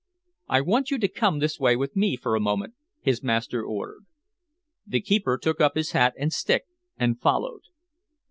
"I want you to come this way with me for a moment," his master ordered. The keeper took up his hat and stick and followed.